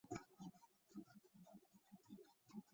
আমি বললুম, সাক্ষী আবার জমিদারের পক্ষে কী?